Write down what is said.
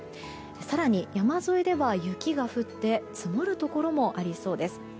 更に、山沿いでは雪が降って積もるところもありそうです。